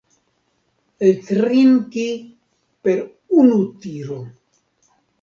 Eltrinki per unu tiro.